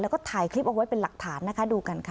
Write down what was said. แล้วก็ถ่ายคลิปเอาไว้เป็นหลักฐานนะคะดูกันค่ะ